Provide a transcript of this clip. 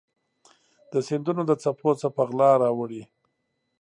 د سیندونو د څپو څه په غلا راوړي